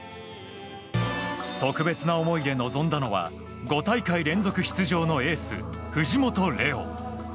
特別な思いで臨んだのは５大会連続出場のエース藤本怜央。